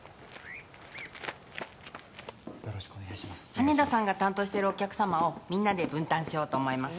羽田さんが担当してるお客様をみんなで分担しようと思います